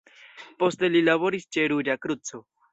Poste li laboris ĉe Ruĝa Kruco.